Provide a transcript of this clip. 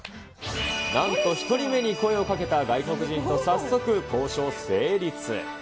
なんと１人目に声をかけた外国人と早速交渉成立。